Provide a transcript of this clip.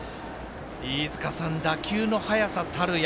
飯塚さん、打球の速さたるや。